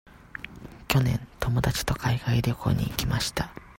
去年、友達と海外旅行に行きました。